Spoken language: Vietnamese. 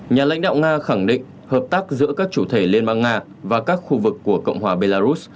nhà lãnh đạo nga khẳng định hợp tác giữa các chủ thể liên bang nga và các khu vực của cộng hòa belarus